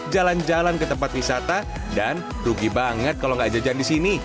jalan jalan ke tempat wisata dan rugi banget kalau nggak jajan di sini